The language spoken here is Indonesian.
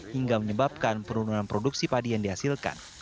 hingga menyebabkan penurunan produksi padi yang dihasilkan